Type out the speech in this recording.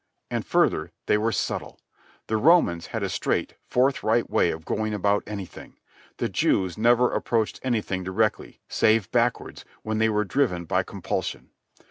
And further, they were subtle. The Romans had a straight, forthright way of going about anything. The Jews never approached anything directly, save backwards, when they were driven by compulsion.